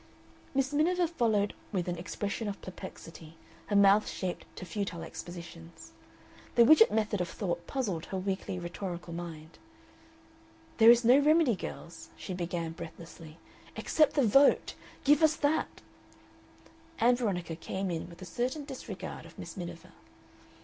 Miss Miniver followed with an expression of perplexity, her mouth shaped to futile expositions. The Widgett method of thought puzzled her weakly rhetorical mind. "There is no remedy, girls," she began, breathlessly, "except the Vote. Give us that " Ann Veronica came in with a certain disregard of Miss Miniver.